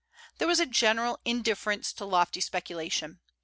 There was a general indifference to lofty speculation.